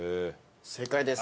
正解です。